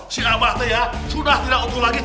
si abah tia sudah tidak utuh lagi